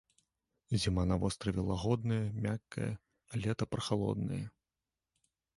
Зіма на востраве лагодная, мяккая, а лета прахалоднае.